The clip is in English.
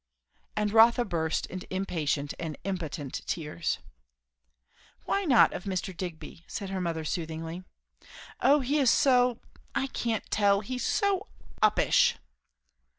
And Rotha burst into impatient and impotent tears. "Why not of Mr. Digby?" said her mother soothingly. "O he is so I can't tell! he's so uppish."